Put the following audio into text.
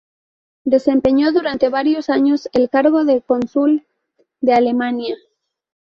Desempeñó durante varios años el cargo de cónsul de Alemania.